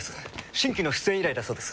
新規の出演依頼だそうです。